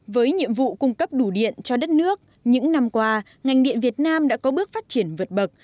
với nhiệm vụ cung cấp đủ điện cho đất nước những năm qua ngành điện việt nam đã có bước phát triển vượt bậc